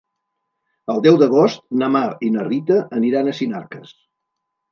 El deu d'agost na Mar i na Rita aniran a Sinarques.